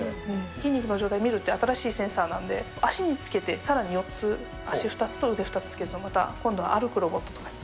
筋肉の状態見るって、新しいセンサーなんで、足につけてさらに４つ、足２つと腕２つつけると、今度は歩くロボットとかにも。